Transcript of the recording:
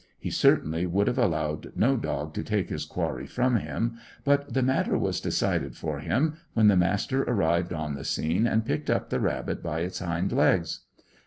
He certainly would have allowed no dog to take his quarry from him; but the matter was decided for him when the Master arrived on the scene and picked up the rabbit by its hind legs.